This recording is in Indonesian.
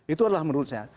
itu adalah menurut saya